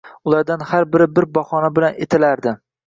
Bulardan har biri bir bahona bilan etilardi.